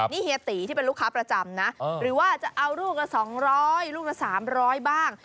นี่เฮียตีที่เป็นลูกค้าประจำนะหรือว่าจะเอาลูกละ๒๐๐ลูกละ๓๐๐บ้าง